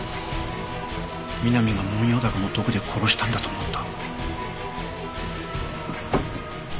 美波がモンヨウダコの毒で殺したんだと思った。